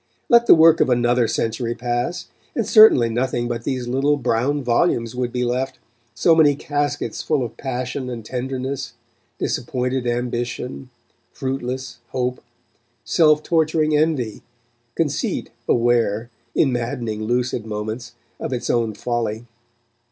Let the work of another century pass, and certainly nothing but these little brown volumes would be left, so many caskets full of passion and tenderness, disappointed ambition, fruitless hope, self torturing envy, conceit aware, in maddening lucid moments, of its own folly.